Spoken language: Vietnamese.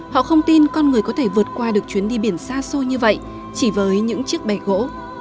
họ không tin con người có thể vượt qua được chuyến đi biển xa xôi như vậy chỉ với những chiếc bè gỗ